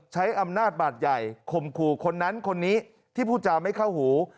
ใช้อำนาจบาดใหญ่ข่มขู่คนนั้นคนนี้ที่พูดจาไม่เข้าหู